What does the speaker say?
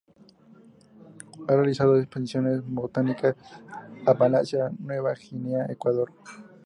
Ha realizado expediciones botánicas a Malasia, Nueva Guinea, Ecuador.